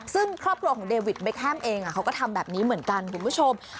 ซึ่งครอบครัวของเดวิดเคมเองเขาก็ทำแบบนี้เหมือนกันคุณผู้ชม